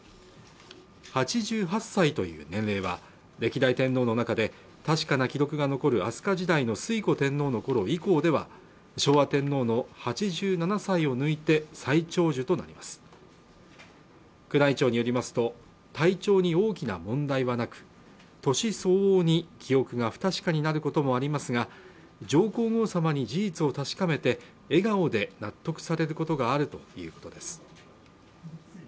８８歳という年齢は歴代天皇の中で確かな記録が残る飛鳥時代の推古天皇の頃以降では昭和天皇の８７歳を抜いて最長寿となります宮内庁によりますと体調に大きな問題はなく年相応に記憶が不確かになることもありますが上皇后さまに事実を確かめて笑顔で納得されることがあるということです